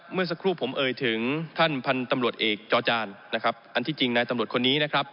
เมื่อสักครู่ผมเอ่ยถึงท่านพันธุ์ตำรวจเอกจอจานนะครับอันที่จริงนายตำรวจคนนี้นะครับ